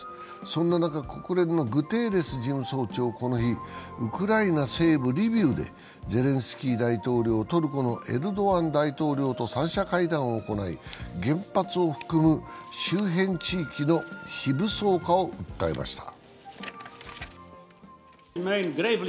そんな中、国連のグテーレス事務総長、この日、ウクライナ西部リビウでゼレンスキー大統領、トルコのエルドアン大統領と三者会談を行い、原発を含む周辺地域の非武装化を訴えました。